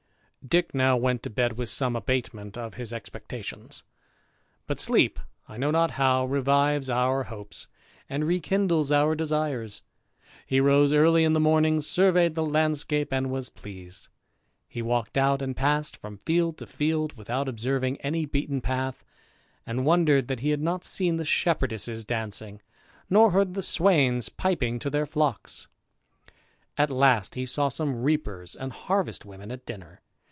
Dick now went to bed with some abatement of his expectations ; but sleep, I know not how, revives our hopes, and rekindles our desires. He rose early in the morning, surveyed the landscape, and was pleased. He walked out, and passed from field to field, without observing any beaten path, and wondered that he had not seen the shepherdesses dancing, nor heard the swains piping to their fiocks. At last he saw some reapers and harvest women at dinner.